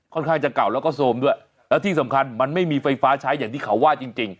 ข้างจะเก่าแล้วก็โซมด้วยแล้วที่สำคัญมันไม่มีไฟฟ้าใช้อย่างที่เขาว่าจริงจริง